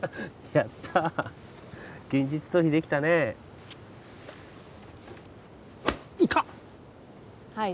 やった現実逃避できたね痛っはい